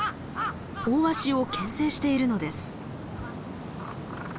オオワシをけん制しているのです。